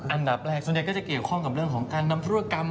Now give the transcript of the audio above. อันดับแรกส่วนใหญ่ก็จะเกี่ยวข้องกับเรื่องของการนำธุรกรรม